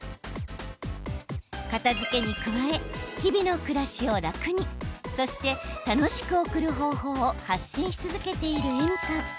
片づけに加え日々の暮らしを楽にそして、楽しく送る方法を発信し続けているＥｍｉさん。